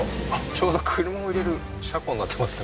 ちょうど車を入れる車庫になってますね